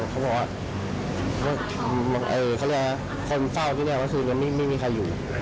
เพราะว่าเค้าเรียกว่าคนเฝ้าที่นี่คือไม่มีใครอยู่